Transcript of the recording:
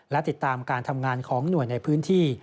และติดตามการทำงานของหน่วยในพื้นที่